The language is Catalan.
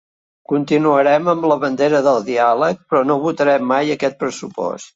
Continuarem amb la bandera del diàleg, però no votarem mai aquest pressupost.